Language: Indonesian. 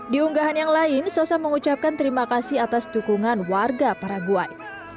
di unggahan yang lain sosa mengucapkan terima kasih atas dukungan warga paraguay